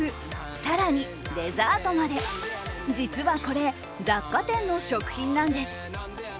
更にデザートまで、実はこれ、雑貨店の食品なんです。